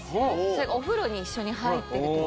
お風呂に一緒に入ってるときに。